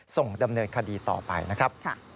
ส่งดำเนินคดีต่อไปนะครับ